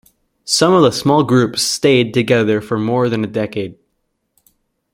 Some of the small groups stayed together for more than a decade.